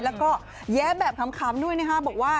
แล้วก็แย้แบบคำด้วยนะฮะ